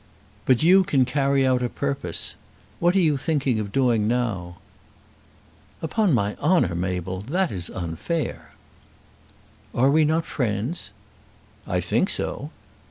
"But you can carry out a purpose. What are you thinking of doing now?" "Upon my honour, Mabel, that is unfair." "Are we not friends?" "I think so."